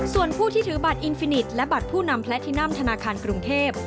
ส่วนผู้ที่ถือบัตรอินฟินิตและบัตรผู้นำแพลทินัมธนาคารกรุงเทพ